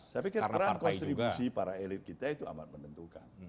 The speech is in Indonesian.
saya pikir peran konstribusi para elit kita itu amat menentukan